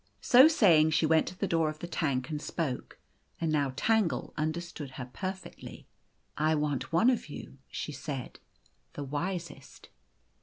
So saying she went to the door of the tank, and spoke ; and now Tangle understood her perfectly. " I want one of you," she said, u the wisest."